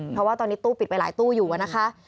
เพราะว่าตอนนี้ตู้ปิดไปหลายตู้อยู่นะคะ